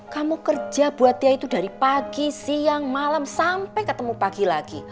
kamu kerja buat dia itu dari pagi siang malam sampai ketemu pagi lagi